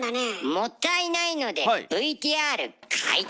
もったいないのでＶＴＲ回転。